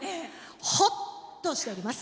ほっとしております。